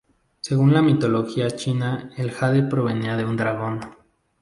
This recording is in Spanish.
Según la mitología china el jade provenía de un dragón.